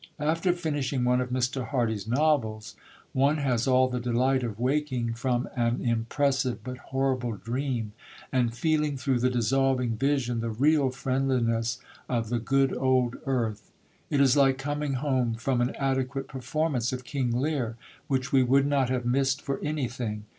After finishing one of Mr. Hardy's novels, one has all the delight of waking from an impressive but horrible dream, and feeling through the dissolving vision the real friendliness of the good old earth. It is like coming home from an adequate performance of King Lear, which we would not have missed for anything.